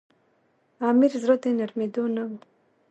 امیر زړه د نرمېدلو نه وو.